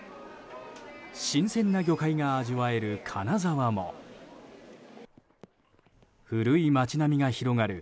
新鮮な魚介が味わえる金沢も古い町並みが広がる